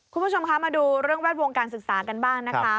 คุณผู้ชมคะมาดูเรื่องแวดวงการศึกษากันบ้างนะคะ